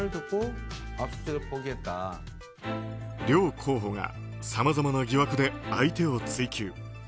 両候補がさまざまな疑惑で相手を追及。